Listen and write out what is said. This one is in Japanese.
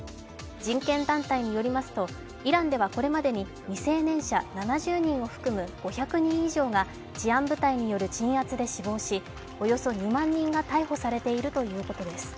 人権団体によりますと、イランではこれまでに未成年者７０人を含む５００人以上が治安部隊による鎮圧で死亡し、およそ２万人が逮捕されているということです。